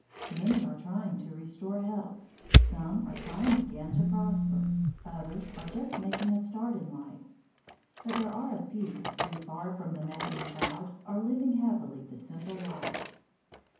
Many are trying to restore health, some are trying again to prosper, others are just making a start in life, but there are a few who, far from the madding crowd, are living happily the simple life.